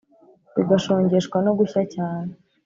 Bigashongeshwa no gushya cyane